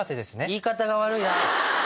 言い方が悪いな！